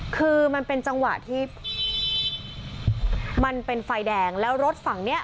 คือมันเป็นจังหวะที่มันเป็นไฟแดงแล้วรถฝั่งเนี้ย